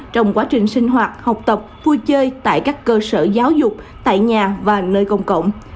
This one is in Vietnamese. trong quá trình sinh hoạt học tập vui chơi tại các cơ sở giáo dục tại nhà và nơi công cộng